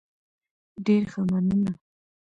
ډیر ښه، مننه.